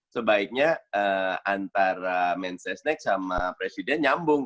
sebaiknya antara menses next sama presiden nyambung